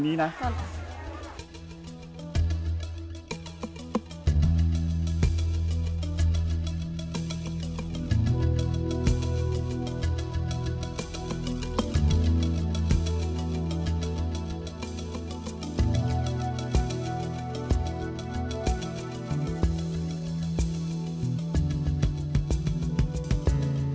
ครับ